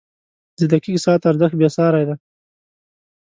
• د دقیق ساعت ارزښت بېساری دی.